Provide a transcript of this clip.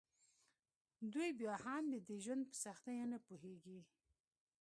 دوی بیا هم د دې ژوند په سختیو نه پوهیږي